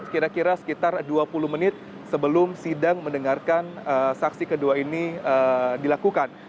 kira kira sekitar dua puluh menit sebelum sidang mendengarkan saksi kedua ini dilakukan